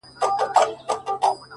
د غلا خبري پټي ساتي!